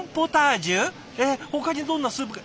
ほかにどんなスープが。